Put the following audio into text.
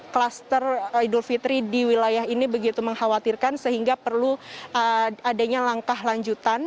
kluster idul fitri di wilayah ini begitu mengkhawatirkan sehingga perlu adanya langkah lanjutan